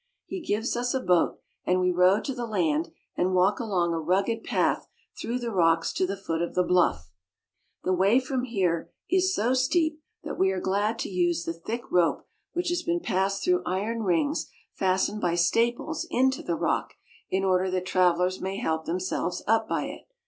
He gives us a boat, and we row to the land and walk along a rugged path through the rocks to the foot of the bluff. The way from here on is so steep that we are glad to use the thick rope which has been passed through iron rings fastened by 174 SCANDINAVIA. staples into the rock in order that travelers may help them selves up by it.